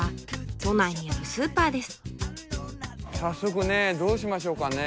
早速ねどうしましょうかね。